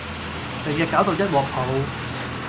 成日攪到一鑊泡